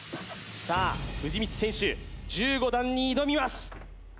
さあ藤光選手１５段に挑みます